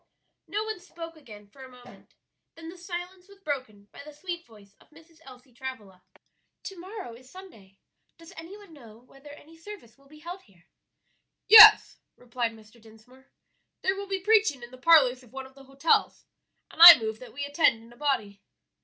No one spoke again for a moment, then the silence was broken by the sweet voice of Mrs. Elsie Travilla: "To morrow is Sunday; does any one know whether any service will be held here?" "Yes," replied Mr. Dinsmore; "there will be preaching in the parlors of one of the hotels, and I move that we attend in a body."